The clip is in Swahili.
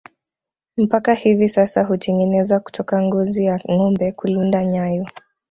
Mpaka hivi sasa hutengeneza kutoka ngozi ya ngombe kulinda nyayo